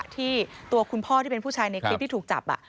ที่ตัวคุณพ่อที่เป็นผู้ชายในคลิปที่ถูกจับ